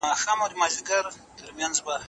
مکناتن بې وسه و.